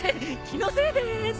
気のせいです。